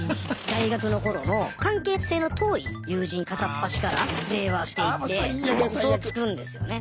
大学の頃の関係性の遠い友人片っ端から電話していってウソをつくんですよね。